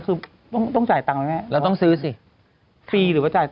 คือต้องจ่ายตังค์ไหมแม่